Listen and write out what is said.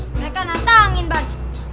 mereka nantangin pak